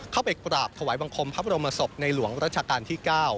เข้าไปกราบถวายบังคมพระบรมศพในหลวงรัชกาลที่๙